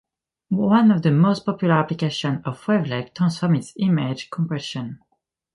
One of the most popular applications of wavelet transform is image compression.